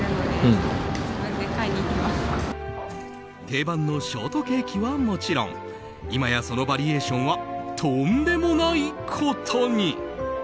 定番のショートケーキはもちろん今やそのバリエーションはとんでもないことに。